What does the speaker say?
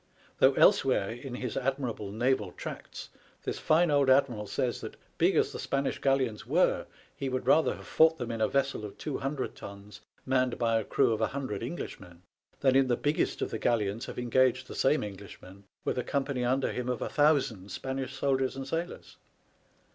297 though elsewhere in his admirable " Naval Tracts " this fine old admiral says that, big as the Spanish galleons were, he would rather have fought them in a vessel of 200 tons, manned by a crew of 100 Englishmen, than in the biggest of the galleons have engaged the same Englishmen with a company under him of 1000 Spanish soldiers and sailors.